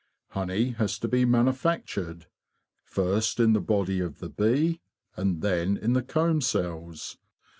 Honey has to be manufactured, first in the body of the bee, and then in the comb cells.